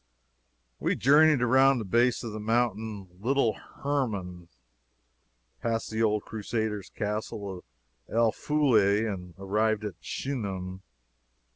We journeyed around the base of the mountain "Little Hermon," past the old Crusaders' castle of El Fuleh, and arrived at Shunem.